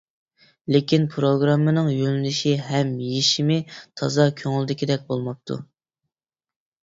لېكىن پىروگراممىنىڭ يۆنىلىشى ھەم يېشىمى تازا كۆڭۈلدىكىدەك بولماپتۇ.